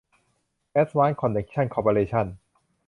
แอดวานซ์ คอนเนคชั่น คอร์ปอเรชั่น